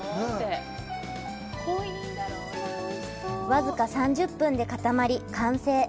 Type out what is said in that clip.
僅か３０分で固まり、完成。